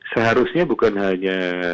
seharusnya bukan hanya